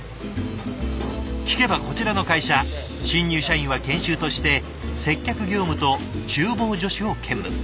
聞けばこちらの会社新入社員は研修として接客業務とちゅう房助手を兼務。